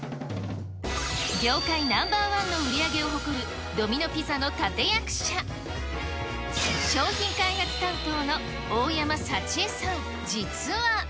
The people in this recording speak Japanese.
業界ナンバー１の売り上げを誇るドミノ・ピザの立て役者、商品開発担当の大山幸恵さん、実は。